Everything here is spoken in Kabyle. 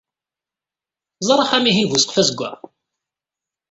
Ẓer axxam-ihin bu ssqef azeggaɣ.